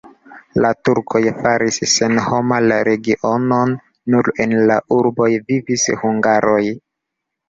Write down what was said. La turkoj faris senhoma la regionon, nur en la urboj vivis hungaroj.